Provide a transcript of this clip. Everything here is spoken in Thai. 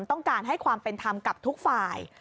ต้องการให้ความเป็นธรรมกับทุกฝ่าย